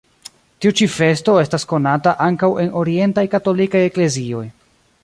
Tiu ĉi festo estas konata ankaŭ en orientaj katolikaj eklezioj.